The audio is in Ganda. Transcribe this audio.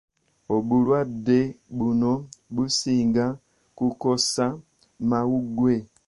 Obulwadde buno businga kukosa mawuggwe.